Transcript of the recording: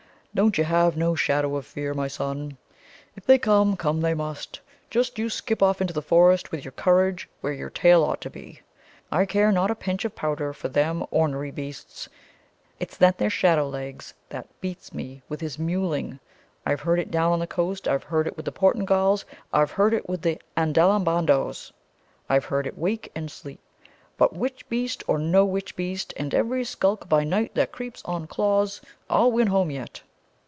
"Don't you have no shadow of fear, my son. If they come, come they must. Just you skip off into the forest with your courage where your tail ought to be. I care not a pinch of powder for them or'nery beasts. It's that there Shadowlegs that beats me with his mewling. I've heard it down on the coast; I've heard it with the Portingals; I've heard it with the Andalambandoes; I've heard it wake and sleep. But witch beast or no witch beast, and every skulk by night that creeps on claws, I'll win home yet!"